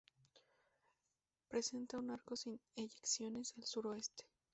Presenta un arco sin eyecciones al suroeste.